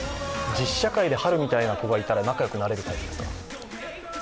実社会でハルみたいな子がいたら仲良くなれるタイプですか？